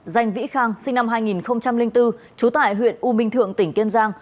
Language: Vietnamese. danh vĩ khang sinh năm hai nghìn bốn trú tại huyện u minh thượng tỉnh kiên giang